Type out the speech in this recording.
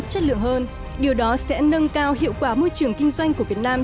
chất lượng hơn điều đó sẽ nâng cao hiệu quả môi trường kinh doanh của việt nam